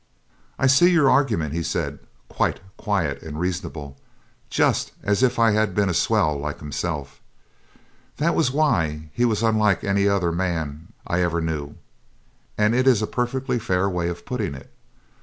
'I see your argument,' he said, quite quiet and reasonable, just as if I had been a swell like himself that was why he was unlike any other man I ever knew 'and it is a perfectly fair way of putting it.